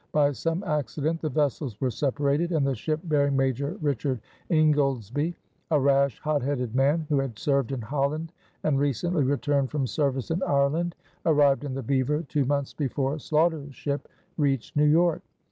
By some accident the vessels were separated, and the ship bearing Major Richard Ingoldesby, "a rash, hot headed man" who had served in Holland and recently returned from service in Ireland, arrived in the Beaver two months before Sloughter's ship reached New York.